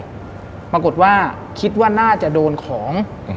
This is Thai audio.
ปรากฏว่าคิดว่าน่าจะโดนของ